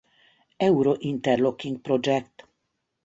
Euro-Interlocking projekt.